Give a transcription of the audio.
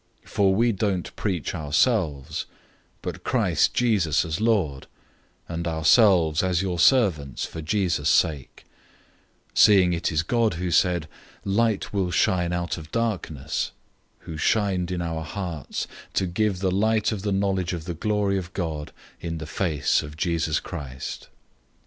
004:005 For we don't preach ourselves, but Christ Jesus as Lord, and ourselves as your servants for Jesus' sake; 004:006 seeing it is God who said, "Light will shine out of darkness,"{Genesis 1:3} who has shone in our hearts, to give the light of the knowledge of the glory of God in the face of Jesus Christ.